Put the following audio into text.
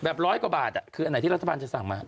ร้อยกว่าบาทคืออันไหนที่รัฐบาลจะสั่งมา